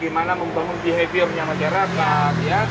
bagaimana membangun behaviornya masyarakat